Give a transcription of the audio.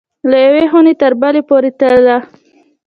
له یوې خوني تر بلي پوری تلله